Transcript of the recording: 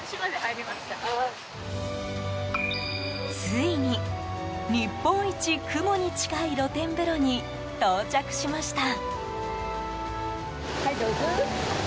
ついに日本一雲に近い露天風呂に到着しました。